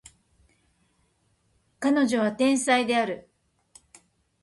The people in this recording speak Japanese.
彼女は天才である